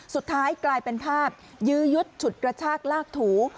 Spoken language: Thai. สุดท้ายกลายเป็นภาพยื้อยุดฉุดกระชากลากถู